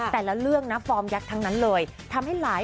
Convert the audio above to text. แต่ละเรื่องฟอร์มยักษ์ทั้งนั้นเลย